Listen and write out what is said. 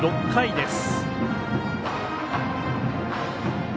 ６回です。